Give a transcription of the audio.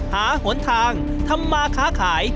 หนทางทำมาค้าขาย